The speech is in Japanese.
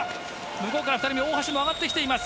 向こうから２人目、大橋も上がってきています。